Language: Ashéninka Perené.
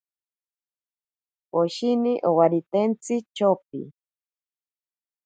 Poshini owaritentsi chopi.